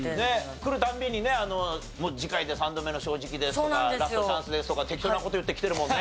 来る度にね「次回で３度目の正直です」とか「ラストチャンスです」とか適当な事言って来てるもんね。